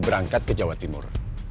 berangkat ke jawa timur